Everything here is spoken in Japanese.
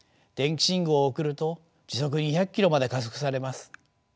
電気信号を送ると時速２００キロまで加速されます。